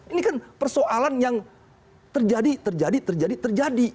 ini kan persoalan yang terjadi terjadi terjadi terjadi